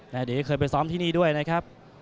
อดีตเคยไปซ้อมที่นี่ด้วยนะครับ